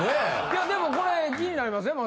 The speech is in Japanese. いやでもこれ気になりません？